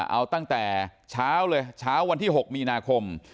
เอาตั้งแต่เช้าเลยเช้าวันที่๖มีนาคม